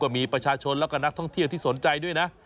มีประชาชนแล้วก็นักท่องเที่ยวที่สนใจด้วยนะ